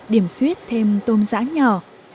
điểm xuyết thêm tôm giã nhỏ